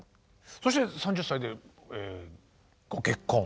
そして３０歳でご結婚。